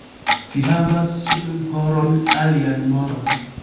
Li havas ĉiun horon alian moron.